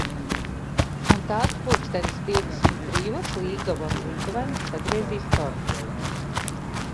Un tad, pulkstens divdesmit trijos, līgava un līgavainis sagriezīs torti.